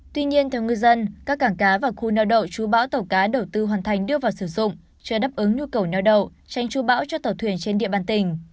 tuy nhiên theo ngư dân các cảng cá và khu neo đậu chú bão tàu cá đầu tư hoàn thành đưa vào sử dụng chưa đáp ứng nhu cầu neo đậu tranh chú bão cho tàu thuyền trên địa bàn tỉnh